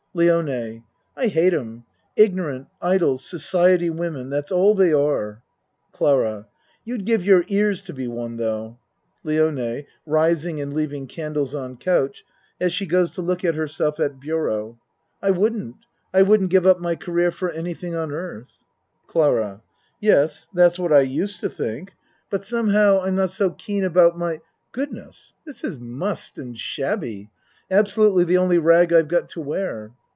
LIONE I hate 'em. Ignorant, idle, society wo men. That's all they are. CLARA You'd give your ears to be one tho'. LIONE (Rising and leaving candles on couch , as she goes to look at herself at bureau.) I wouldn't I wouldn't give up my career for anything on earth. CLARA Yes, that's what I used to think but 50 A MAN'S WORLD somehow, I'm not so keen about my Goodness, this is mussed and shabby! Absolutely the only rag I've got to wear.